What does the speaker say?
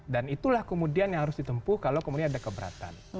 dan itulah kemudian yang harus ditempuh kalau kemudian ada keberatan